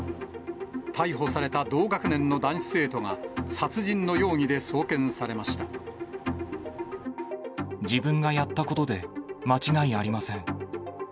逮捕された同学年の男子生徒が、自分がやったことで間違いありません。